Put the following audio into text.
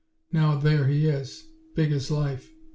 Now there he is, big as life.